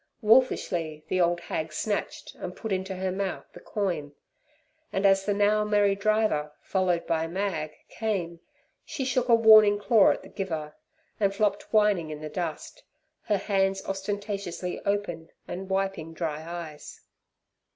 Wolfishly the old hag snatched and put into her mouth the coin, and as the now merry driver, followed by Mag, came, she shook a warning claw at the giver, and flopped whining in the dust, her hands ostentatiously open and wiping dry eyes.